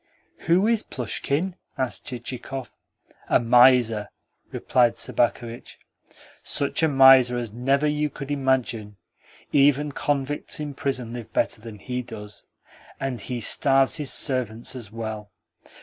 "Who is Plushkin?" asked Chichikov. "A miser," replied Sobakevitch. "Such a miser as never you could imagine. Even convicts in prison live better than he does. And he starves his servants as well."